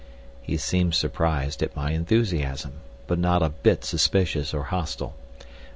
He seemed surprised at my enthusiasm, but not a bit suspicious or hostile.